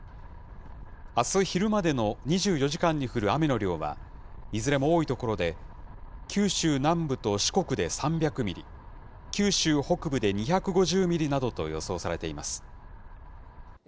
あす昼までの２４時間に降る雨の量は、いずれも多い所で、九州南部と四国で３００ミリ、九州北部で２５０ミリなどと予想されています。